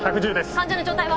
患者の状態は？